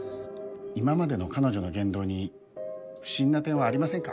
今までの彼女の言動に不審な点はありませんか？